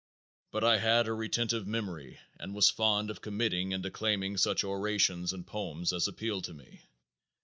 But I had a retentive memory and was fond of committing and declaiming such orations and poems as appealed to me.